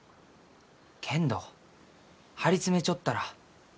けんど張り詰めちょったら速う